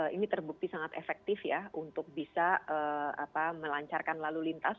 ini terbukti sangat efektif ya untuk bisa melancarkan lalu lintas